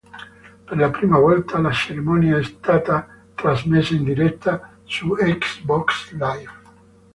Per la prima volta la cerimonia è stata trasmessa in diretta su Xbox Live.